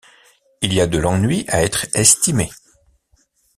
Il y a de l’ennui à être estimé.